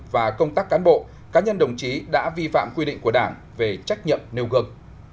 và công tác cán bộ cá nhân đồng chí đã vi phạm quy định của đảng về trách nhiệm nêu gương